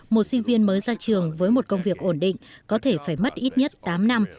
một sinh viên mới ra trường với một công việc ổn định có thể phải mất ít nhất tám năm